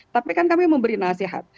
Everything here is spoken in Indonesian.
tapi kan kami memberi nasihat